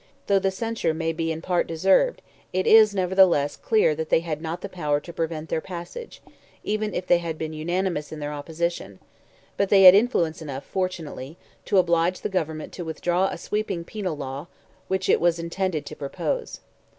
Though the censure may be in part deserved, it is, nevertheless, clear that they had not the power to prevent their passage, even if they had been unanimous in their opposition; but they had influence enough, fortunately, to oblige the government to withdraw a sweeping penal law which it was intended to propose.